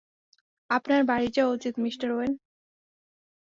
আপনার বাড়ি যাওয়া উচিত, মিস্টার ওয়েন।